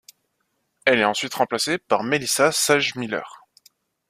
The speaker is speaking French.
Elle est ensuite remplacée par Melissa Sagemiller.